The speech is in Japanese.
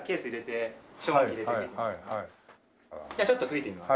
じゃあちょっと吹いてみます。